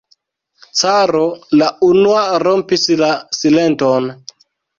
Caro la unua rompis la silenton.